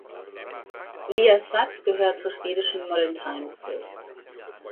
Viasat gehört zur schwedischen Modern Times Group.